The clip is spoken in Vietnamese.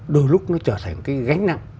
đôi lúc nó trở thành cái gánh nặng